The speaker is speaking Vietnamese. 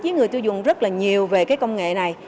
với người tiêu dùng rất là nhiều về cái công nghệ này